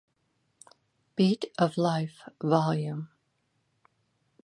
Beat of Life Vol.